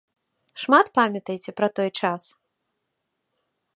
Шмат памятаеце пра той час?